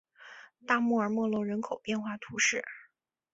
大穆尔默隆人口变化图示